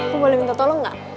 kok boleh minta tolong gak